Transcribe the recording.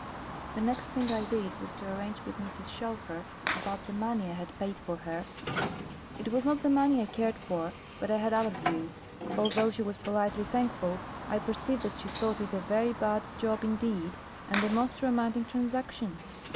The next thing I did was to arrange with Mrs. Shelfer about the money I had paid for her. It was not the money I cared for, but I had other views. Although she was politely thankful, I perceived that she thought it a very bad job indeed, and a most romantic transaction.